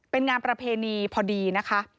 เป็นงานประเพณีพอดีนะคะ